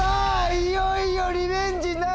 いよいよリベンジなるか？